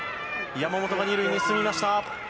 山本が２塁に進みました。